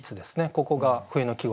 ここが冬の季語